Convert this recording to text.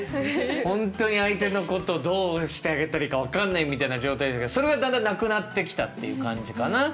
本当に相手のことをどうしてあげたらいいか分かんないみたいな状態でしたけどそれはだんだんなくなってきたっていう感じかな？